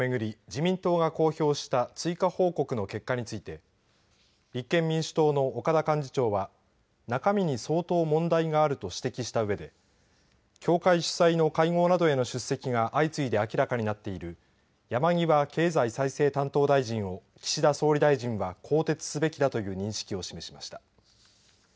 自民党が公表した追加報告の結果について立憲民主党の岡田幹事長は中身に相当問題があると指摘した上で教会主催の会合などへの出席が相次いで明らかになっている山際経済再生担当大臣を岸田総理大臣は更迭すべきだという認識を示しました。